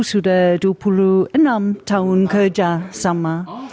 sudah dua puluh enam tahun kerja sama